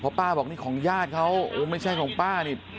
ป้าบอกนี่ของญาติเขาโอ้ไม่ใช่ของป้านี่